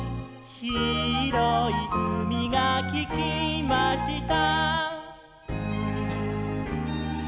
「ひろいうみがありました」